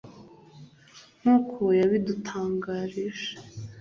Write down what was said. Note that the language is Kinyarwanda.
nk’uko yabidutangarije